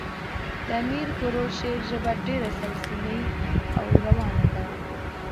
د امیر کروړ شعر ژبه ډېره سلیسه او روانه ده.